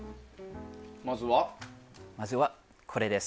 まずはこれです。